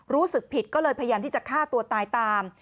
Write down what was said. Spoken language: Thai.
รู้สึกผิดก็เลยพยายามที่จะฆ่าตัวตายตาม